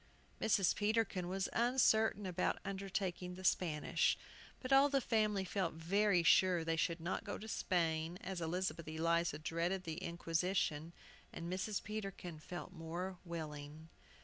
Mrs. Peterkin was uncertain about undertaking the Spanish, but all the family felt very sure they should not go to Spain (as Elizabeth Eliza dreaded the Inquisition), and Mrs. Peterkin felt more willing.